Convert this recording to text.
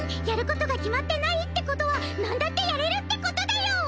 やることが決まってないってことはなんだってやれるってことだよ！